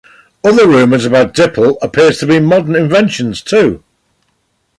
Other rumours about Dippel appear to be modern inventions too.